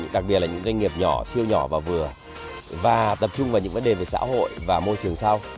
đặc biệt là những doanh nghiệp nhỏ siêu nhỏ và vừa và tập trung vào những vấn đề về xã hội và môi trường sau